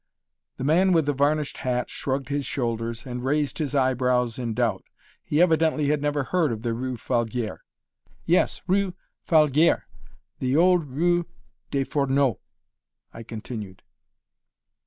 The man with the varnished hat shrugged his shoulders, and raised his eyebrows in doubt. He evidently had never heard of the rue Falguière. "Yes, rue Falguière, the old rue des Fourneaux," I continued.